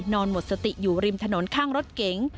นอนหมดสติอยู่ริมถนนข้างรถเก๋ง